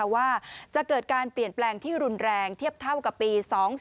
ว่าจะเกิดการเปลี่ยนแปลงที่รุนแรงเทียบเท่ากับปี๒๔